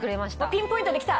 ピンポイントできた？